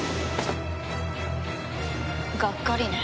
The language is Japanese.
がっかりね。